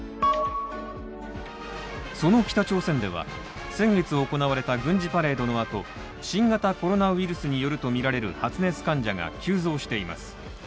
その北朝鮮では先月行われた軍事パレードの後、新型コロナウイルスによるとみられる発熱患者が急増しています。